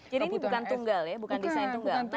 jadi ini bukan tunggal ya bukan desain tunggal